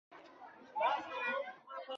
ما په لاټرۍ کې د کمپیوټر ګرافیک کارت وګاټه.